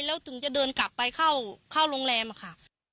แล้วถึงจะเดินกลับไปเข้าโรงแรมค่ะ